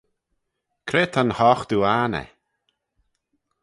Cre ta'n hoghtoo anney?